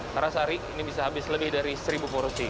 karena sehari ini bisa habis lebih dari seribu porsi